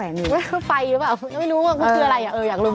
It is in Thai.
ถึงไปอยู่แล้วไม่รู้มันคืออะไรอยากรู้